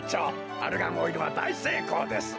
アルガンオイルはだいせいこうですな。